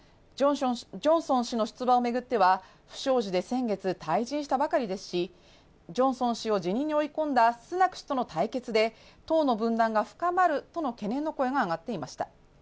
ジョンソン氏の出馬を巡っては不祥事で先月退陣したばかりですしジョンソン氏を辞任に追い込んだスナク氏との対決で党の分断が深まるとの懸念の声が上がっていました。